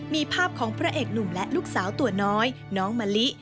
มีภาพของพระเอกหนุ่มและลูกสาวตัวน้อยน้องมะลิ